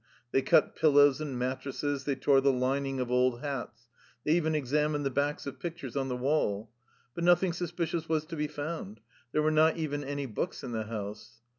They cut pillows and mattresses, they tore the lining of old hats, they even examined the backs of pic tures on the wall. But nothing suspicious was to be found: there were not even any books in the house.